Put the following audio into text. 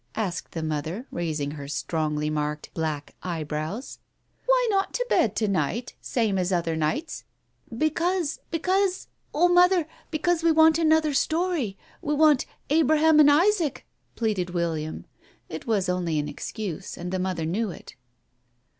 asked the mother, raising her strongly marked black eyebrows. "Why not to bed, to night, same as other nights ?"" Because — because — oh, Mother ! because we want another story. We want Abram and Isaac," pleaded William. It was only an excuse, and the mother knew it.